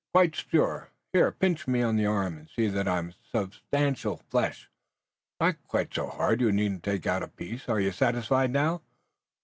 "Quite sure. Here pinch me on the arm and see that I'm substantial flesh. Not quite so hard! You needn't take out a piece. Are you satisfied now?"